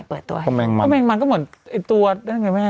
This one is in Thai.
เป็นไงหรอแม่งมันอ่ะมันก็เป็นแม่งมัน